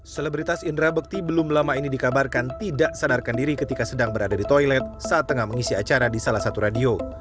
selebritas indra bekti belum lama ini dikabarkan tidak sadarkan diri ketika sedang berada di toilet saat tengah mengisi acara di salah satu radio